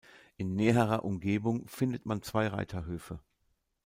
In näherer Umgebung findet man zwei Reiterhöfe.